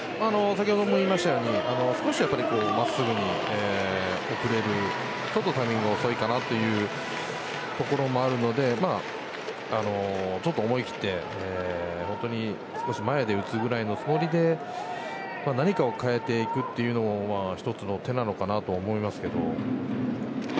先ほども言いましたように少し真っすぐに遅れているちょっとタイミングが遅いかなというところもあるのでちょっと思い切って少し前で打つぐらいのつもりで何かを変えていくというのも１つの手なのかなと思いますけど。